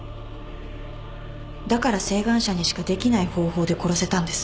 だから晴眼者にしかできない方法で殺せたんです。